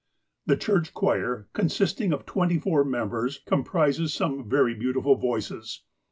The church choir, consisting of twenty four members, comprises some very beautiful voices.